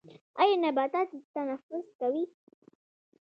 ایا نباتات تنفس کوي؟